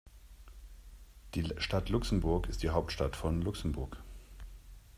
Die Stadt Luxemburg ist die Hauptstadt von Luxemburg.